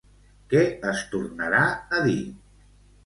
Què es tornarà a dir?